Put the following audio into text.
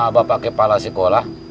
bapak kepala sekolah